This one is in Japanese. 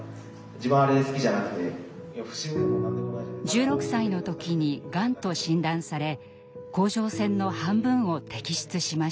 １６歳の時にがんと診断され甲状腺の半分を摘出しました。